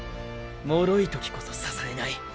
脆い時こそ支えない！